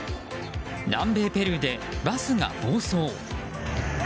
南米ペルーでバスが暴走。